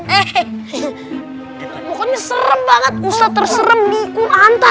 he pokoknya serem banget ustadz terserem di kunanta